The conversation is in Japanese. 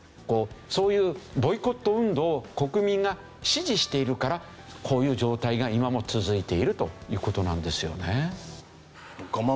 そういうボイコット運動を国民が支持しているからこういう状態が今も続いているという事なんですよね。